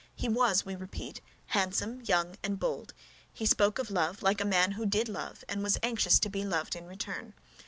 He was, we repeat, handsome, young, and bold; he spoke of love like a man who did love and was anxious to be loved in return.